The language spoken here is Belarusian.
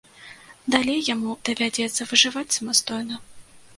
Далей яму давядзецца выжываць самастойна.